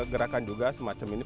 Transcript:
gerakan juga semacam ini